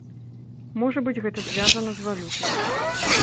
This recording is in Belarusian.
Можа быць гэта звязана з валютай.